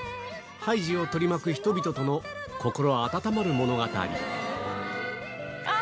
ハイジを取り巻く人々との心温まる物語あ！